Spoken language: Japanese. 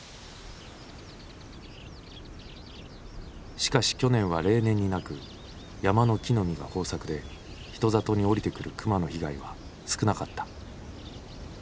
しかし去年は例年になく山の木の実が豊作で人里に下りてくる熊の被害は少なかった。